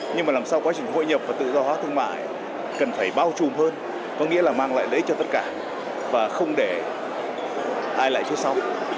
nhưng mà làm sao quá trình hội nhập và tự do hóa thương mại cần phải bao trùm hơn có nghĩa là mang lại lấy cho tất cả và không để ai lại phía sau